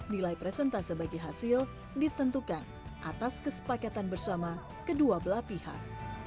nilai presentase bagi hasil ditentukan atas kesepakatan bersama kedua belah pihak